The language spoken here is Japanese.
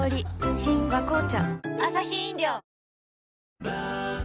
新「和紅茶」